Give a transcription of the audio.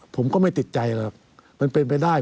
ผมก็ไม่ติดใจหรอกมันเป็นไปได้